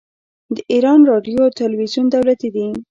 د ایران راډیو او تلویزیون دولتي دي.